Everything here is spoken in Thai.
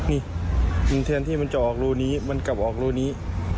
นี่แทนที่มันจะออกรูนี้มันกลับออกรูนี้